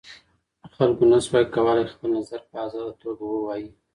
خلګو نسوای کولای خپل نظر په ازاده توګه ووایي.